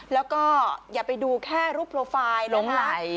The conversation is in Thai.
แล้วก็อย่าไปดูแค่รูปโปรไฟล์หลงไหล